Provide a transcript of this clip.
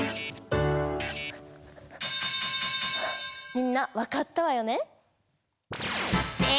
みんなわかったわよね？